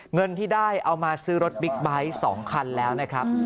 เงินที่ได้เอามาซื้อรถบิ๊กไบท์๒คันแล้วนะครับ